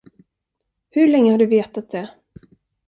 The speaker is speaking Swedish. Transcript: Hur länge har du vetat det?